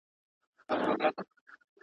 ولسي جرګه د سيمې د امنيت پوښتنه کوي.